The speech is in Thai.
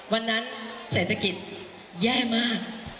วันนั้นเศรษฐกิจแย่มาก